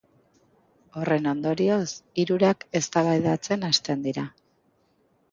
Horren ondorioz hirurak eztabaidatzen hasten dira.